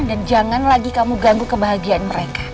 dan jangan lagi kamu ganggu kebahagiaan mereka